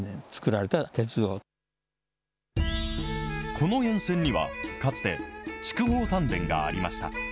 この沿線には、かつて筑豊炭田がありました。